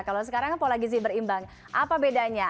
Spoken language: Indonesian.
kalau sekarang pola gizi berimbang apa bedanya